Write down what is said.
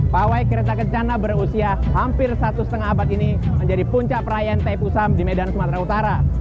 pawai kereta kencana berusia hampir satu setengah abad ini menjadi puncak perayaan taipusam di medan sumatera utara